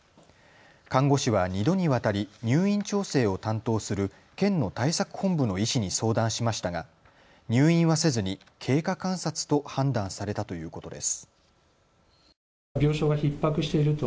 看護師は２度にわたり入院調整を担当する県の対策本部の医師に相談しましたが入院はせずに経過観察と判断されたということです。